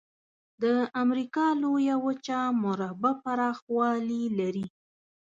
د امریکا لویه وچه مربع پرخوالي لري.